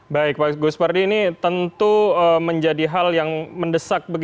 baik pak gus pardi ini tentu menjadi hal yang mendesak